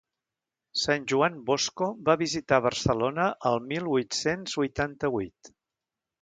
Sant Joan Bosco va visitar Barcelona al mil huit-cents huitanta-huit.